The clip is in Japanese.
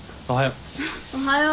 おはよう。